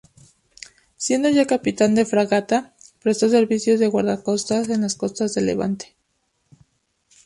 Siendo ya capitán de fragata, prestó servicios de guardacostas en la costa de Levante.